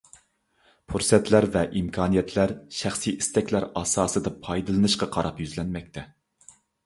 پۇرسەتلەر ۋە ئىمكانىيەتلەر شەخسىي ئىستەكلەر ئاساسىدا پايدىلىنىشقا قاراپ يۈزلەنمەكتە.